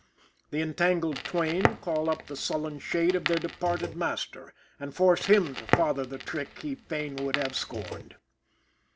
The entangled twain call up the sullen shade of their departed master, and force him to father the trick he fain would have scorned.